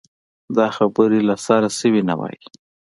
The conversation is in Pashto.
دا خبرې له سره شوې نه وای.